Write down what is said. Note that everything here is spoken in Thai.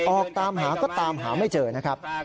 ออกตามหาก็ตามหาไม่เจอนะครับ